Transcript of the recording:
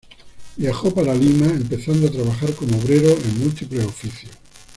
Viajó para Lima, empezando a trabajar como obrero en múltiples oficios.